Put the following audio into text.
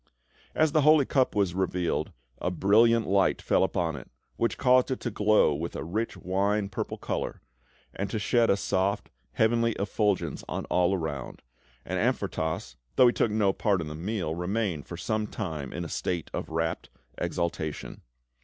As the Holy Cup was revealed, a brilliant light fell upon it, which caused it to glow with a rich wine purple colour, and to shed a soft heavenly effulgence on all around, and Amfortas, though he took no part in the meal, remained for some time in a state of rapt exaltation.